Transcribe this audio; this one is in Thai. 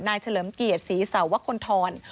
เฉลิมเกียรติศรีสาวคนทร